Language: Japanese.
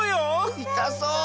いたそう！